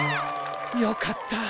よかった。